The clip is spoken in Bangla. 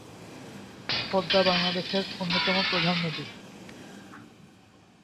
পদ্মা বাংলাদেশের অন্যতম প্রধান নদী।